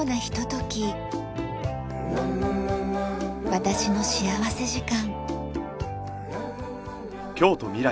『私の幸福時間』。